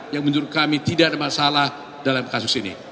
yang menurut kami tidak ada masalah dalam kasus ini